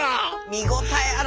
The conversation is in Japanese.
見応えある。